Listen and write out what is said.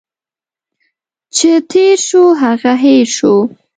چي تیر شو، هغه هٻر شو.